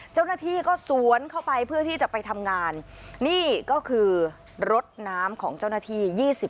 เจ้าหน้าที่ก็สวนเข้าไปเพื่อที่จะไปทำงานนี่ก็คือรถน้ำของเจ้าหน้าที่